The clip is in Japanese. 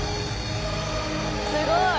すごい！